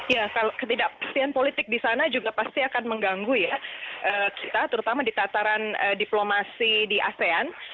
ya ketidakpastian politik di sana juga pasti akan mengganggu ya kita terutama di tataran diplomasi di asean